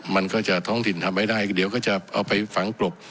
มันก็จะท้องถิ่นทำไม่ได้เดี๋ยวก็จะเอาไปฝังกลบ